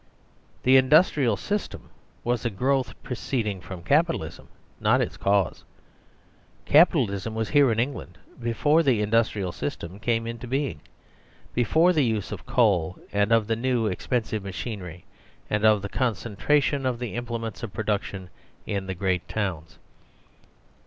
The Industrial System was a growth proceeding from Capitalism, not its cause. Capitalism was here in England before the Industrial System came into being ; before the use of coal and of the new ex pensive machinery, and of the concentration of the implements of production in the great towns.